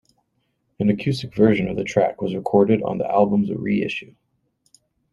An acoustic version of the track was recorded on the album's re-issue.